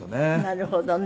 なるほどね。